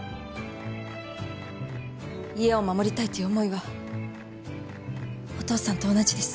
家を守りたいという思いはお父さんと同じです。